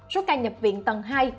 số ca nhập viện tầng hai ba